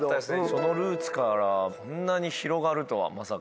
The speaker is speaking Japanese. そのルーツからこんなに広がるとはまさか。